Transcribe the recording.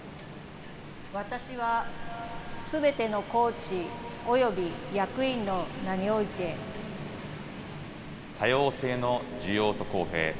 私は、すべてのコーチ及び役員の名において。多様性の受容と公平。